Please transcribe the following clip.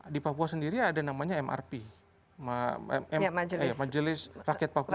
di papua sendiri ada namanya mrp majelis rakyat papua